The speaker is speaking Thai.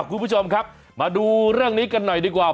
คุณผู้ชมครับมาดูเรื่องนี้กันหน่อยดีกว่า